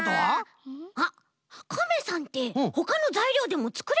あっカメさんってほかのざいりょうでもつくれそうだよね？